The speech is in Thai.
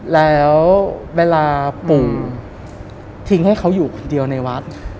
แล้วเวลาปู่ทิ้งให้เขาอยู่คนเดียวในวัด